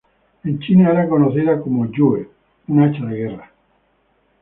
En China era conocida como Yue, un hacha de guerra.